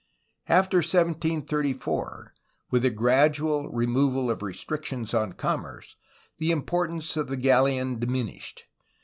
After 1734, with the gradual removal of restrictions on commerce, the importance of the galleon diminished.